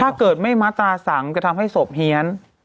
ถ้าเกิดไม่มาตราสังจะทำให้ศพเฮียน